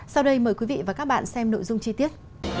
sau đây mời quý vị và các bạn xem nội dung chi tiết